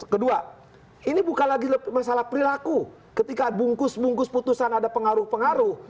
kedua ini bukan lagi masalah perilaku ketika bungkus bungkus putusan ada pengaruh pengaruh